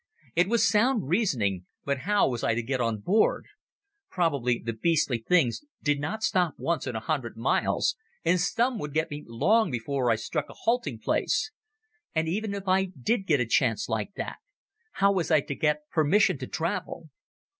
It was sound reasoning, but how was I to get on board? Probably the beastly things did not stop once in a hundred miles, and Stumm would get me long before I struck a halting place. And even if I did get a chance like that, how was I to get permission to travel?